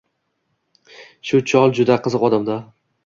Shu chol juda qiziq odam-da